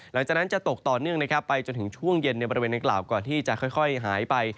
หลังจากนั้นจะตกต่อเนื่องนะครับไปจนถึงช่วงเย็นในบริเวณดังกล่าวก่อนที่จะค่อยหายไป